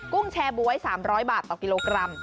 ุ้งแชร์บ๊วย๓๐๐บาทต่อกิโลกรัม